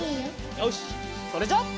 よしそれじゃあ。